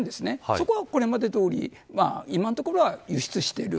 そこはこれまでどおり今のところは、輸出している。